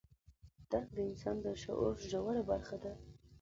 درک د انسان د شعور ژوره برخه ده.